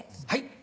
はい。